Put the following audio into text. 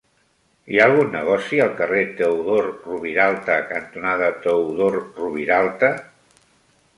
Hi ha algun negoci al carrer Teodor Roviralta cantonada Teodor Roviralta?